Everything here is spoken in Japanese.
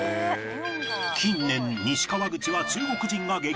近年西川口は中国人が激増